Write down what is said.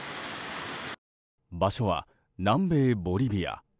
場所は南米ボリビア。